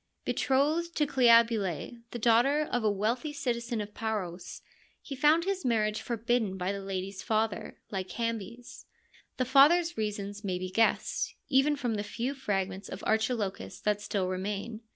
Be trothed to Cleobule, the daughter of a wealthy citizen of Paros, he found his marriage forbidden by the lady's father, Lycambes. The father's reasons may be guessed, even from the few fragments of Archilochus that still remain.